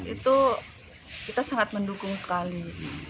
itu kita sangat mendukung sekali